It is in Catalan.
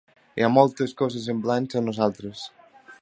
Hi ha moltes coses semblants a nosaltres.